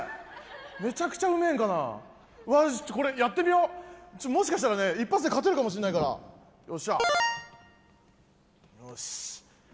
メチャクチャうめえんかなちょっとこれやってみようもしかしたらね一発で勝てるかもしんないからよっしゃよし